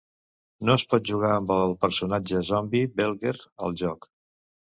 No es pot jugar amb el personatge Zombie Belger al joc.